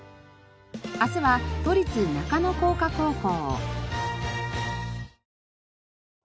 明日は都立中野工科高校。